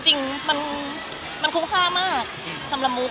ก็จริงมันคุ้มค่ามากสำหรับมุก